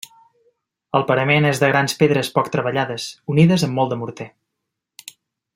El parament és de grans pedres poc treballades, unides amb molt de morter.